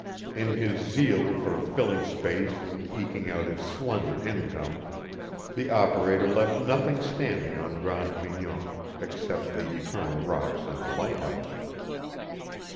In his zeal for filling space and eking out his slender income, the operator left nothing standing on Grande Mignon except the eternal rocks and the lighthouse.